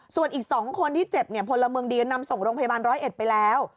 ส่วนอีก๒คนที่เจ็บเนี่ยพลเมืองดีนำส่งโรงพยาบาลร้อยเอ็ดไปแล้ว